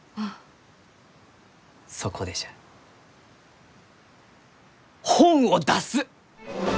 そこでじゃ本を出す！